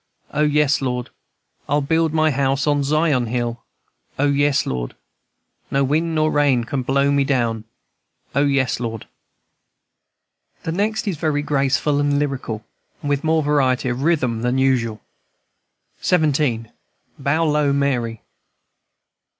O yes, Lord! I'll build my house on Zion hill, O yes, Lord! No wind nor rain can blow me down, O yes, Lord!" The next is very graceful and lyrical, and with more variety of rhythm than usual: XVII. BOW LOW, MARY.